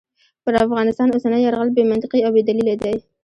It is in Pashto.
پر افغانستان اوسنی یرغل بې منطقې او بې دلیله دی.